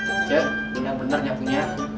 eja ini yang benarnya punya